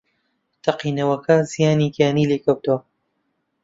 تەقینەوەکە زیانی گیانی لێکەوتەوە